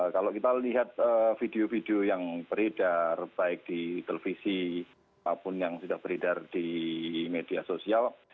kalau kita lihat video video yang beredar baik di televisi maupun yang sudah beredar di media sosial